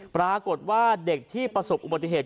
ปรากฏว่าเด็กที่ประสบอุบัติเหตุ